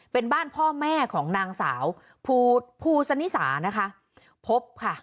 เป็นบ้านพ่อแม่ของนางสาวภูสนิสานะคะพบค่ะ